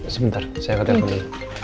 sebentar saya angkatnya dulu